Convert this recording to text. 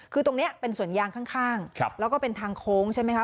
คือตรงนี้เป็นสวนยางข้างแล้วก็เป็นทางโค้งใช่ไหมคะ